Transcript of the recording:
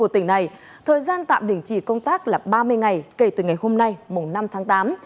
thời gian tạm đỉnh chỉ công tác là ba mươi ngày kể từ ngày hôm nay năm tháng tám